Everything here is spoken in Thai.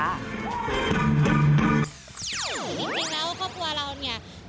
อุ้ยน้ำ